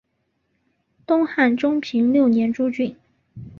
东汉中平六年诸郡。